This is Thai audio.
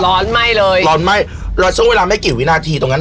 ร้อนไหม้เลยร้อนไหม้ร้อนไหนเพราะเวลาไม่กี่วินาทีตรงนั้น